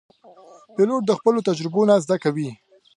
پیلوټ د خپلو تجربو نه زده کوي.